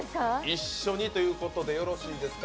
一緒にということでよろしいですか？